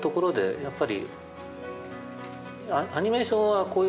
やっぱり。